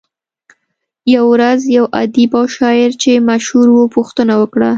يوه ورځ يو ادیب او شاعر چې مشهور وو پوښتنه وکړه.